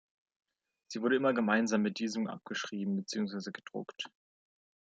Sie wurde immer gemeinsam mit diesem abgeschrieben, beziehungsweise gedruckt.